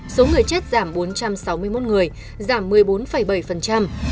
số người chết giảm bốn trăm sáu mươi một người giảm một mươi bốn bảy